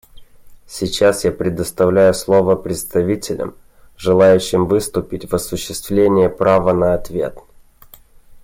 Сейчас я предоставлю слово представителям, желающим выступить в осуществление права на ответ.